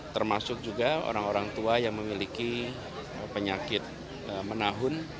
termasuk juga orang orang tua yang memiliki penyakit menahun